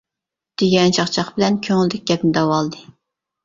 دېگەن چاقچاق بىلەن كۆڭلىدىكى گەپنى دەۋالدى.